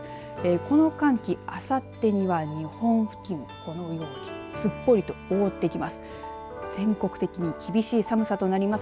この寒気、あさってには日本付近このようにすっぽりと覆ってきます。